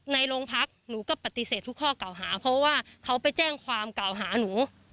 ในโรงพักหนูก็ปฏิเสธทุกข้อเก่าหาเพราะว่าเขาไปแจ้งความเก่าหาหนู